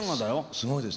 すごいですね。